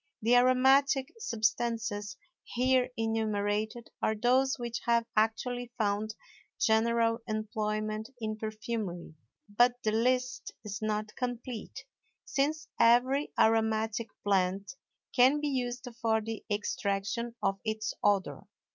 The aromatic substances here enumerated are those which have actually found general employment in perfumery; but the list is not complete, since every aromatic plant can be used for the extraction of its odor.